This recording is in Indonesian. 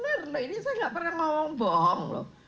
bener loh ini saya nggak pernah ngomong bohong loh